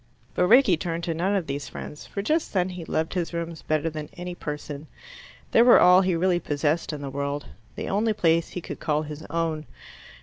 But Rickie turned to none of these friends, for just then he loved his rooms better than any person. They were all he really possessed in the world, the only place he could call his own.